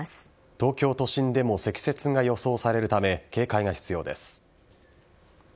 東京都心でも積雪が予想されるため警戒が必要です。